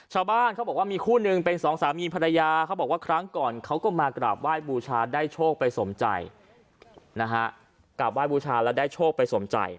ชาวบ้านเขาบอกว่ามีคู่นึงเป็นสองสามีพรรยาเขาบอกว่าครั้งก่อนเขาก็มากราบไหว้บูชาได้โชคไปสมใจ